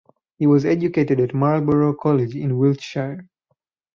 He was educated at Marlborough College in Wiltshire.